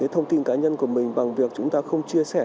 thông tin cá nhân của mình bằng việc chúng ta không chia sẻ